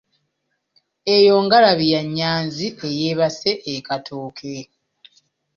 Eyo ngalabi ya Nyanzi eyeebase e Katooke.